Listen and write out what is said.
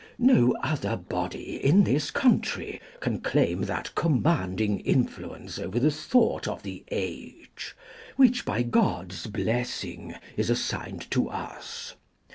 No other body in this country can claim that commanding influence over the thought of the age, which by God's blessing is assigned to us.